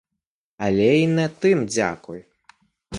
Але і на тым дзякуй!